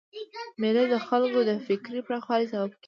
مېلې د خلکو د فکري پراخوالي سبب کېږي.